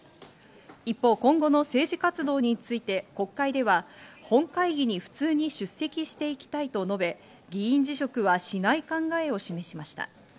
一方、今後の政治活動について国会では本会議に普通に出席していきたいと述べ、議員辞職はしない考えを示しました。